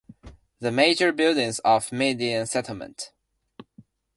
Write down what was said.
The Major Buildings of the Median Settlement.